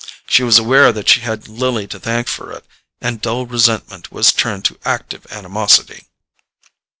She was aware that she had Lily to thank for it; and dull resentment was turned to active animosity.